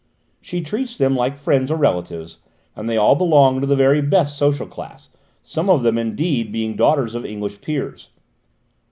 She treats them like friends or relatives, and they all belong to the very best social class, some of them indeed being daughters of English peers.